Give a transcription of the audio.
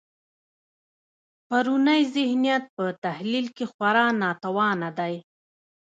پرونی ذهنیت په تحلیل کې خورا ناتوانه دی.